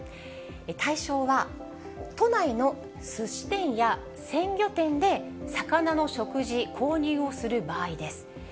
対象は、都内のすし店や鮮魚店で魚の食事、購入をする場合です。